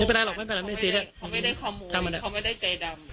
ไม่เป็นไรหรอกไม่เป็นไรไม่เป็นไรเขาไม่ได้ขโมยเขาไม่ได้ใจดำ